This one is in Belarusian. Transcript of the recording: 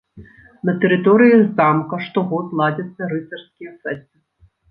На тэрыторыі замка штогод ладзяцца рыцарскія фэсты.